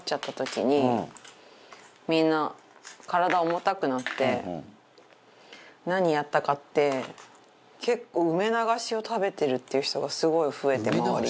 みんな体重たくなって何やったかって結構梅流しを食べてるっていう人がすごい増えて周りで。